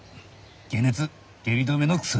解熱・下痢止めの薬。